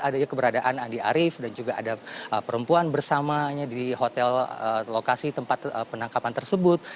adanya keberadaan andi arief dan juga ada perempuan bersamanya di hotel lokasi tempat penangkapan tersebut